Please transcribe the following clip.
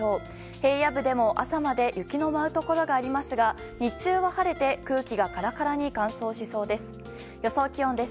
平野部でも朝まで雪の舞うところがありますが日中は晴れて空気がカラカラに乾燥しそうです。